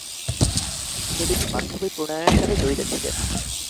তিনি দুটি পাঠ্যবই প্রণয়নের সাথে জড়িত ছিলেন।